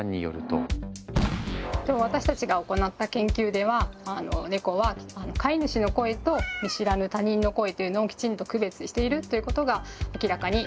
私たちが行った研究ではネコは飼い主の声と見知らぬ他人の声というのをきちんと区別しているということが明らかになりました。